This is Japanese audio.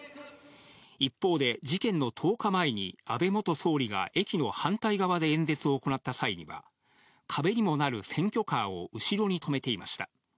一方で、事件の１０日前に安倍元総理が駅の反対側で演説を行った際には、壁にもなる選挙カーを後ろに止めていました。